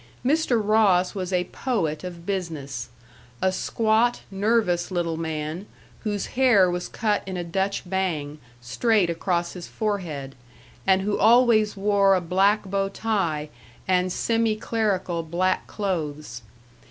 Mr. Ross was a poet of business; a squat, nervous little man, whose hair was cut in a Dutch bang, straight across his forehead, and who always wore a black bow tie and semi clerical black clothes.